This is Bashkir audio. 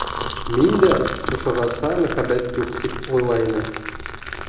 Мин дә ошоғаса мөхәббәт юҡ тип уйлай инем.